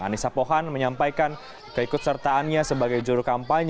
anissa pohan menyampaikan keikutsertaannya sebagai juru kampanye